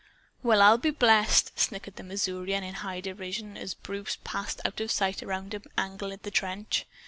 "Well, I'll be blessed!" snickered the Missourian in high derision, as Bruce passed out of sight around an angle of the trench.